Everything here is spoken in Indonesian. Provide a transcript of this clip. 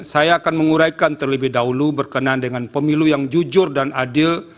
saya akan menguraikan terlebih dahulu berkenaan dengan pemilu yang jujur dan adil